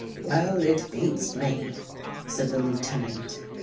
" Well, it beats me," said the Lieutenant.